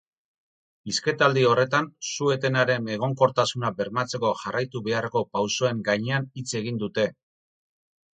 Hizketaldi horretan su-etenaren egonkortasuna bermatzeko jarraitu beharreko pausoen gainean hitz egin dute.